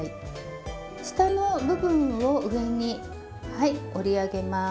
下の部分を上にはい折り上げます。